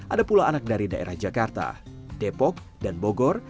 ada pula anak dari daerah jakarta depok dan bogor